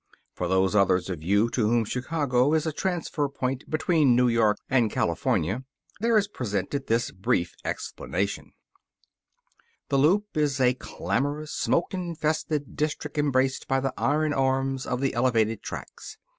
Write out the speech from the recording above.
For those others of you to whom Chicago is a transfer point between New York and California there is presented this brief explanation: The Loop is a clamorous, smoke infested district embraced by the iron arms of the elevated tracks.